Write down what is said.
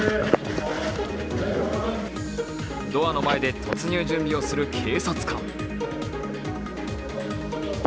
ドアの前で突入準備をする警察官。